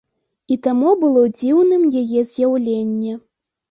І таму было дзіўным яе з'яўленне.